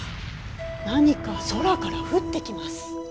何か空から降ってきます。